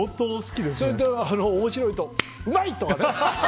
面白いと、うまい！とかね。